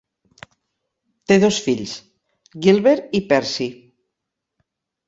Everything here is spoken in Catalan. Té dos fills, Gilbert i Percy.